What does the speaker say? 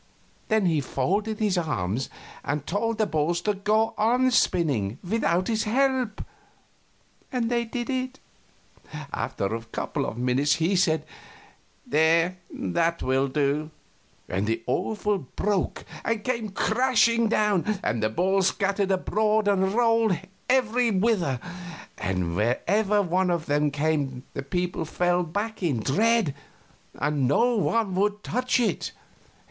Then he folded his arms and told the balls to go on spinning without his help and they did it. After a couple of minutes he said, "There, that will do," and the oval broke and came crashing down, and the balls scattered abroad and rolled every whither. And wherever one of them came the people fell back in dread, and no one would touch it.